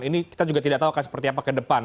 ini kita juga tidak tahu akan seperti apa ke depan